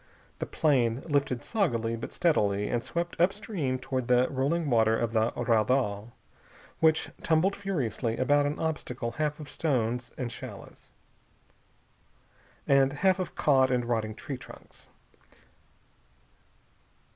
The plane lifted soggily but steadily and swept up stream toward the rolling water of the raudal, which tumbled furiously about an obstacle half of stones and shallows, and half of caught and rotting tree trunks.